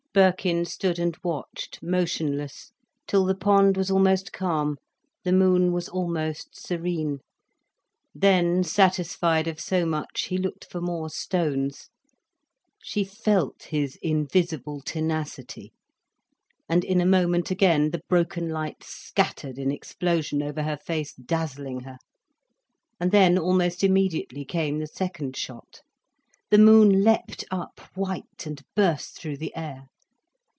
Birkin stood and watched, motionless, till the pond was almost calm, the moon was almost serene. Then, satisfied of so much, he looked for more stones. She felt his invisible tenacity. And in a moment again, the broken lights scattered in explosion over her face, dazzling her; and then, almost immediately, came the second shot. The moon leapt up white and burst through the air.